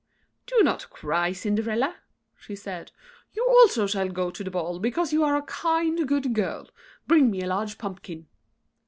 "Do not cry, Cinderella," she said; "you also shall go to the ball, because you are a kind, good girl. Bring me a large pumpkin."